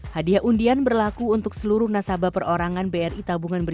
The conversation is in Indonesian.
hadiah undian berlaku untuk seluruh nasabah perorangan bri tabungan